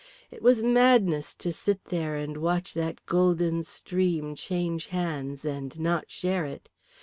It was madness, to sit there, and watch that golden stream change hands and not share it.